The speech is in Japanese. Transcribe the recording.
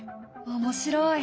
面白い！